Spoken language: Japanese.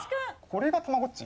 これが『たまごっち』？